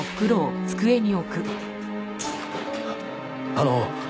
あの。